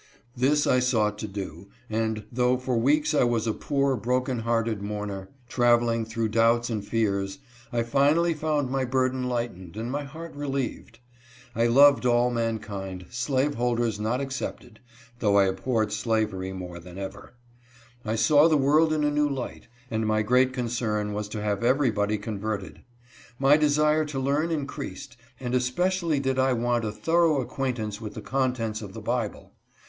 This I sought to do ; and though for weeks I was a poor, broken hearted mourner, traveling through doubts and fearsf I finally found my burden lightened, and my heart relieved. I loved all mankindj slaveholders not excepted, though I abhorred slavery more than ever. / 1 saw the world in a new light, and my great concern was to have everybody converted. My desire to learn increased, and especially did I want a thorough acquaintance with the contents of the Bible.